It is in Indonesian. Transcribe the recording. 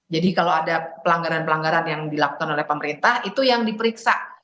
jadi kalau ada pelanggaran pelanggaran yang dilakukan oleh pemerintah itu yang diperiksa